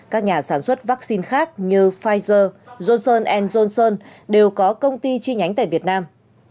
các nhà sản xuất vaccine khác như pfizer johnson johnson đều có công ty chi nhánh tại việt nam